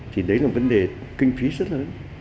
thì đấy là vấn đề kinh phí rất lớn